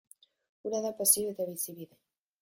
Hura du pasio eta bizibide.